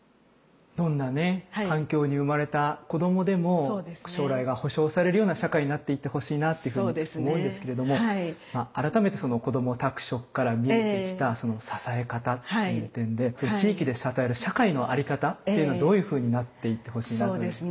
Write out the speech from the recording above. どんなね環境に生まれた子どもでも将来が保証されるような社会になっていってほしいなっていうふうに思うんですけれども改めてこども宅食から見えてきた支え方っていう点で地域で支える社会のあり方っていうのはどういうふうになっていってほしいなと。